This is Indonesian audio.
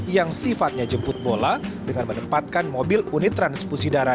yang sifatnya jemput bola dengan menempatkan mobil unit transfusi darah